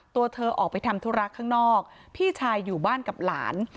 ตัวเธอออกไปทำธุระข้างนอกพี่ชายอยู่บ้านกับหลาน